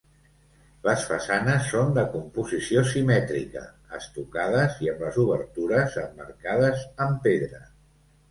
Les façanes són de composició simètrica, estucades i amb les obertures emmarcades amb pedra.